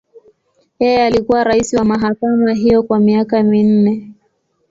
Yeye alikuwa rais wa mahakama hiyo kwa miaka minne.